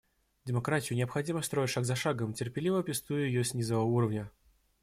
Демократию необходимо строить шаг за шагом, терпеливо пестуя ее с низового уровня.